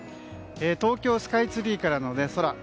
東京スカイツリーからの空。